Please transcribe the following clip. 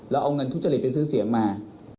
เอาเงินทุจริตไปซื้อเสียงมา